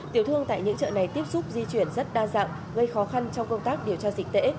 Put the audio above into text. tiểu thương tại những chợ này tiếp xúc di chuyển rất đa dạng gây khó khăn trong công tác điều tra dịch tễ